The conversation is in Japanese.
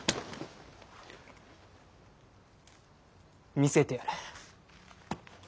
見せてやれ。